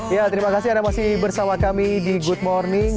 ya terima kasih anda masih bersama kami di good morning